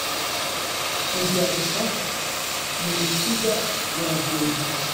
Igaruka mu Rukiga rwa Byumba